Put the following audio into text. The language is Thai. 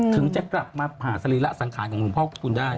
ถึงจะกลับมาผ่าศรีระสังขารของหลวงพ่อคุณได้